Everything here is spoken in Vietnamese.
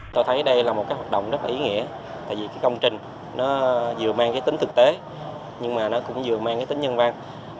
tôi thấy đây là một hoạt động rất ý nghĩa tại vì công trình vừa mang tính thực tế nhưng cũng vừa mang tính nhân văn